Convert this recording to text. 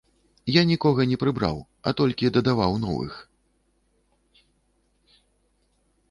Я нікога не прыбраў, а толькі дадаваў новых.